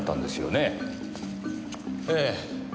ええ。